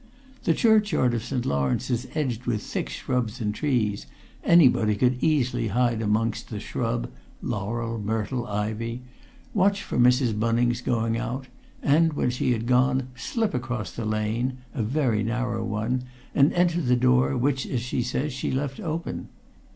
The churchyard of St. Lawrence is edged with thick shrubs and trees, anybody could easily hide amongst the shrub laurel, myrtle, ivy watch for Mrs. Bunning's going out, and, when she had gone, slip across the lane a very narrow one! and enter the door which, as she says, she left open.